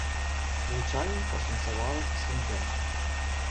Лучаю пашанцавала з ксяндзом!